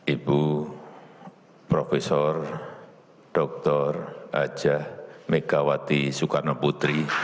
ibu profesor dr ajah megawati soekarnoputri